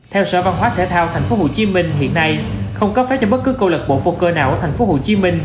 theo sở văn hóa thể thao tp hcm hiện nay không có phép cho bất cứ câu lật bộ poker nào ở tp hcm